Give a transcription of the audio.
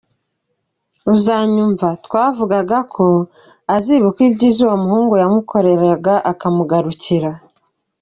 Uzanyumva, twavugaga ko azibuka ibyiza uwo muhungu yamukoreraga akamugarukira.